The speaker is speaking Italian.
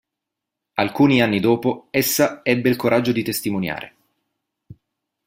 Alcuni anni dopo essa ebbe il coraggio di testimoniare.